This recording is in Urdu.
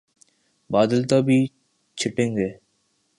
بادل تب ہی چھٹیں گے۔